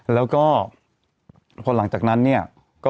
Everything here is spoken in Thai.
แล้วก็พอหลังจากนั้นเนี่ย